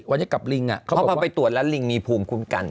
เพราะพอไปตรวจแล้วลิงมีภูมิคุ้มกัน